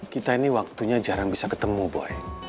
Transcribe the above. kita ini waktunya jarang bisa ketemu boy